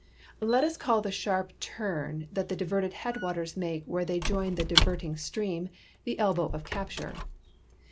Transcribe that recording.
— Let us call the sharp turn that the di verted headwaters make where they join the diverting stream *■ the elbow of capture."